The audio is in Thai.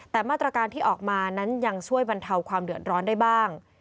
แต่มาตรการที่ออกมานั้นยังช่วยบรรเทาความเดือดร้อนได้บ้าง